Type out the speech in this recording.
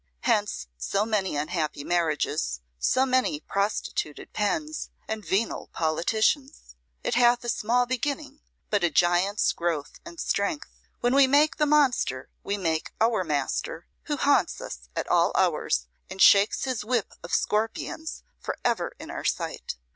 Hence so many unhappy marriages, so many prostituted pens, and venal politicians! It hath a small beginning, but a giant's growth and strength. When we make the monster we make our master, who haunts us at all hours, and shakes his whip of scorpions for ever in our sight.